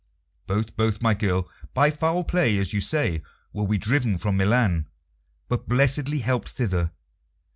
"Both, both, my girl. By foul play, as you say, were we driven from Milan, but blessedly helped thither.